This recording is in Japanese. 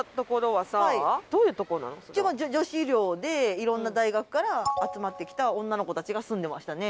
いろんな大学から集まって来た女の子たちが住んでましたね。